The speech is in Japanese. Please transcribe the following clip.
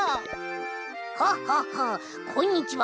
「ハハハこんにちは。